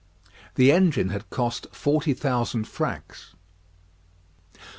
The engine had cost forty thousand francs.